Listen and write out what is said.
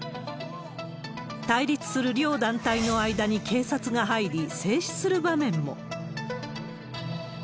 対立する両団体の間に警察が入り、制止する場面も。